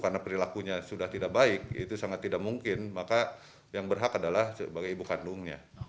karena perilakunya sudah tidak baik itu sangat tidak mungkin maka yang berhak adalah sebagai ibu kandungnya